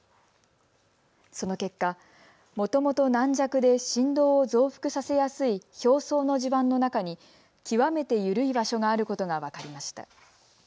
その結果、もともと軟弱で振動を増幅させやすい表層の地盤の中に極めて緩い場所があることが分かりました。